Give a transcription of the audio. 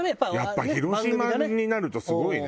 やっぱ広島になるとすごいね。